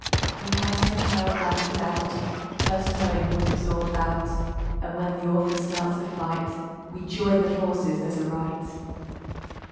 We pass no paragraph without First knowing what it's all about, And when the author starts a fight We join the forces that are right.